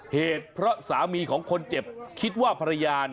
เหตุเพราะสามีของคนเจ็บคิดว่าภรรยา